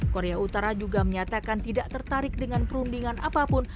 korea utara juga menyatakan tidak tertarik dengan perundingan apapun